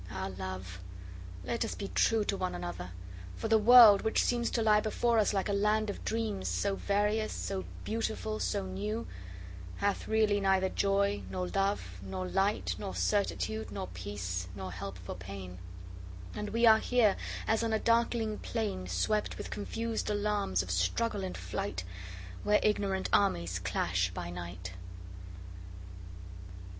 Ah, love, let us be trueTo one another! for the world, which seemsTo lie before us like a land of dreams, So various, so beautiful, so new, Hath really neither joy, nor love, nor light, Nor certitude, nor peace, nor help for pain; And we are here as on a darkling plainSwept with confus'd alarms of struggle and flight, Where ignorant armies clash by night.